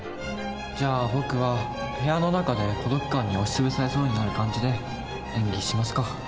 じゃあ僕は部屋の中で孤独感に押し潰されそうになる感じで演技しますか。